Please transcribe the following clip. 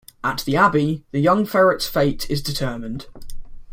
At the abbey, the young ferret's fate is determined.